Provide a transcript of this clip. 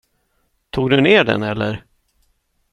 Tog du ner den eller?